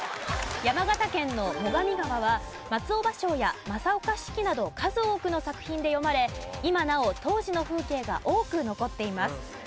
山形県の最上川は松尾芭蕉や正岡子規など数多くの作品で詠まれ今なお当時の風景が多く残っています。